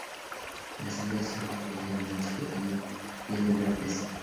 Las hembras son ligeramente más pequeñas y de menor peso.